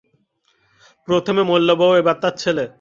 প্রথমে মরলো বউ, এবার তার ছেলে?